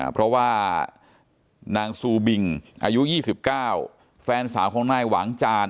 เพราะว่านางซูบิงอายุ๒๙แฟนสาวของนายหวังจาน